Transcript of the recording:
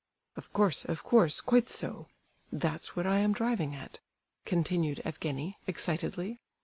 "Of course, of course, quite so; that's what I am driving at!" continued Evgenie, excitedly.